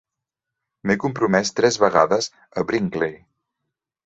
M'he compromès tres vegades a Brinkley.